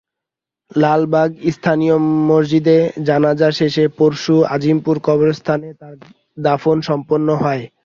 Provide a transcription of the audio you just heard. লালবাগ স্থানীয় মসজিদে জানাজা শেষে পরশু আজিমপুর কবরস্থানে তাঁর দাফন সম্পন্ন হয়।